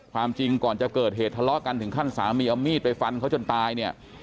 ความจริงก่อนจะเกิดเหตุทะเลาะกันถึงขั้นสามีเอามีดไปฟันเขาจนตายเนี่ย